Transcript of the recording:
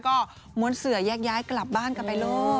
ก็ม้วนเสือแยกย้ายกลับบ้านกันไปโลก